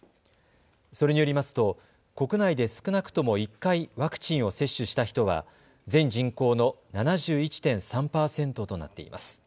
それによりますと国内で少なくとも１回、ワクチンを接種した人は全人口の７１．３％となっています。